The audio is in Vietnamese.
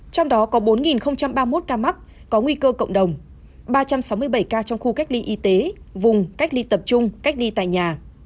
trong đó có bốn ba mươi một ca mắc có nguy cơ cộng đồng ba trăm sáu mươi bảy ca trong khu cách ly y tế vùng cách ly tập trung cách ly tại nhà